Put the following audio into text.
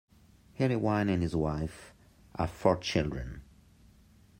Erlewine and his wife have four children.